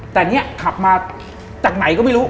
แต่เนี่ยขับมาจากไหนก็ไม่รู้